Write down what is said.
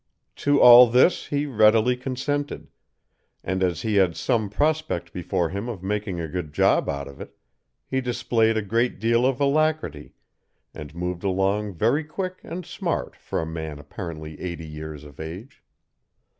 To all this he readily consented; and as he had some prospect before him of making a good job out of it, he displayed a great deal of alacrity, and moved along very quick and smart for a man apparently eighty years of age.